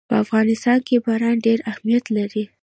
په افغانستان کې باران ډېر اهمیت لري.